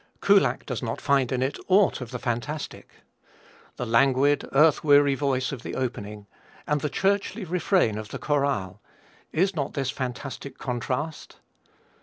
Kullak does not find in it aught of the fantastic. The languid, earth weary voice of the opening and the churchly refrain of the chorale, is not this fantastic contrast!